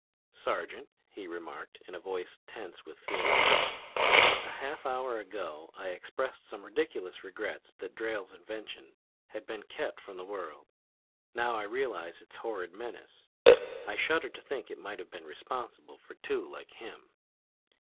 "Sergeant," he remarked in a voice tense with feeling, "a half hour ago I expressed some ridiculous regrets that Drayle's invention had been kept from the world. Now I realize its horrid menace. I shudder to think it might have been responsible for two like him!"